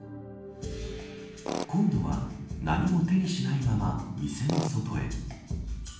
今度は何も手にしないまま店の外へ。